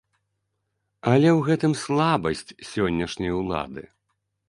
Але ў гэтым слабасць сённяшняй улады.